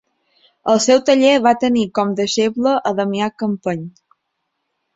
Al seu taller va tenir com deixeble a Damià Campeny.